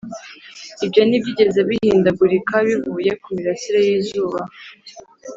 ibyo ntibyigeze bihindagurika bivuye ku mirasire y'izuba,